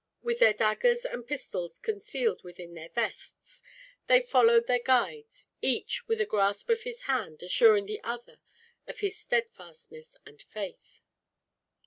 With their daggers and pistols concealed within their vests, they followed their guides; each, with a grasp of his hand, assuring the other of his steadfastness and faith.